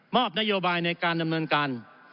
อบนโยบายในการดำเนินการ